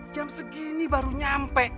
jam segini baru nyampe